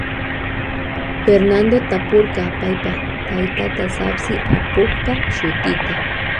Fernando tapurka paypa taytata sapsi apukpa shutita.